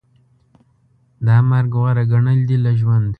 دا مرګ غوره ګڼل دي له ژوند